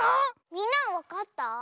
みんなはわかった？